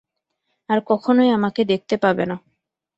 আর কখনোই আমাকে দেখতে পাবে না।